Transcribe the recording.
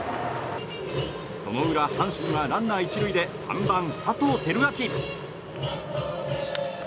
その裏、阪神はランナー１塁で３番、佐藤輝明。